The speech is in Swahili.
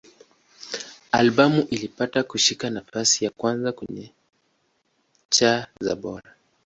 Albamu ilipata kushika nafasi ya kwanza kwenye cha za Bora.